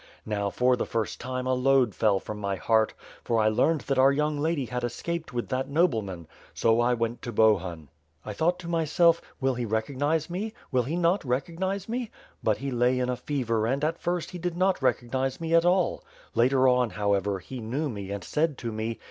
Now, for the first time, a load fell from my heart; for I learned that our young lady had escaped with that nobleman. So I went to Bohun. I thought to myself, ^will he recognize me? Will he not recognize me?' But he lay in a fever and, at first, he did not recognize me at all. Later on, however, he knew me and said to me.